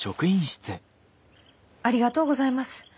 ありがとうございます。